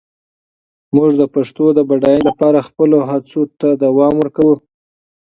موږ د پښتو د بډاینې لپاره خپلو هڅو ته دوام ورکوو.